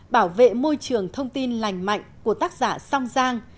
bảo vệ môi trường thông tin lành mạnh của tác giả song giang